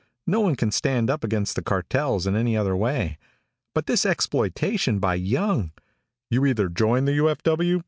No one can stand up against the cartels in any other way. But this exploitation by Young " "You either join the U.F.W.